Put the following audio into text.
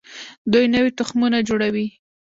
دوی نوي تخمونه جوړوي.